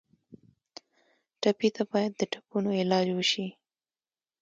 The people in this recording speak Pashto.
ټپي ته باید د ټپونو علاج وشي.